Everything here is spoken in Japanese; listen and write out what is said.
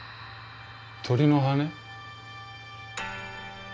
鳥の羽根？